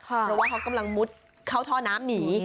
เพราะว่าเขากำลังมุดเข้าท่อน้ำหนี